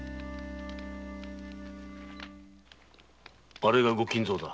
あれが御金蔵だ。